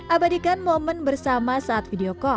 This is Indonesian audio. abadikan momen bersama saat video call